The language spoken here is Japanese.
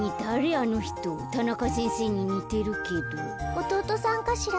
おとうとさんかしら。